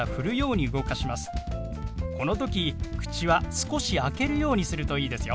この時口は少し開けるようにするといいですよ。